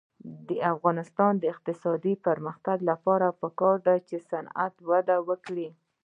د افغانستان د اقتصادي پرمختګ لپاره پکار ده چې صنعت وده وکړي.